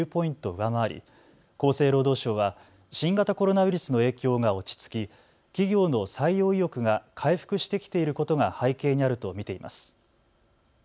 上回り厚生労働省は新型コロナウイルスの影響が落ち着き企業の採用意欲が回復してきていることが背景にあると見ています。